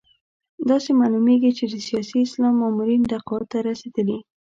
داسې معلومېږي چې د سیاسي اسلام مامورین تقاعد ته رسېدلي.